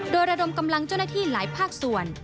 โดยระดมกำลังเจ้าหน้าที่หลายภาคส่วน